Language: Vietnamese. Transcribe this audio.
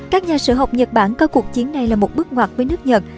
các nhà sở học nhật bản coi cuộc chiến này là một bước ngoặt với nước nhật